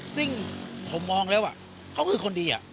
ซึ่งผมมองแล้วเขาคือคนดี